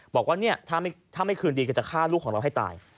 บอกว่าเนี่ยถ้าไม่คืนดีก็จะฆ่าลูกของเราให้ตาย